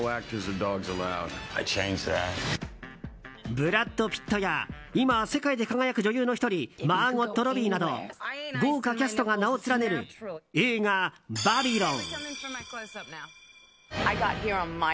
ブラッド・ピットや今、世界で輝く女優の１人マーゴット・ロビーなど豪華キャストが名を連ねる映画「バビロン」。